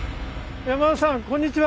山田さんこんにちは！